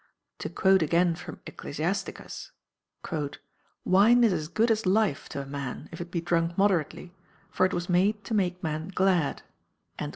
To quote again from Ecclesiasticus, "Wine is as good as life to a man, if it be drunk moderately, for it was made to make men glad."